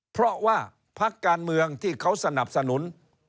เพราะว่าพักการเมืองที่เขาสนับสนุน